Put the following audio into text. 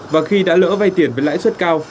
và khi đã lỡ vay tiền với lãi suất cao